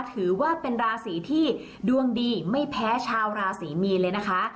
ถือว่าเป็นราศีที่ดวงดีไม่แพ้ชาวราศรีมีนเลยนะคะ